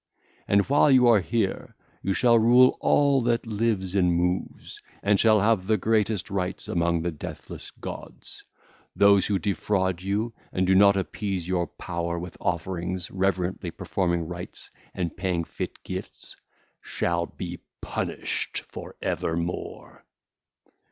And while you are here, you shall rule all that lives and moves and shall have the greatest rights among the deathless gods: those who defraud you and do not appease your power with offerings, reverently performing rites and paying fit gifts, shall be punished for evermore.